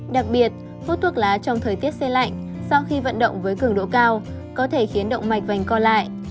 đặc biệt hút thuốc lá trong thời tiết xe lạnh sau khi vận động với cường độ cao có thể khiến động mạch vành còn lại